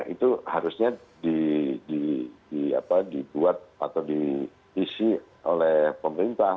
itu harusnya dibuat atau diisi oleh pemerintah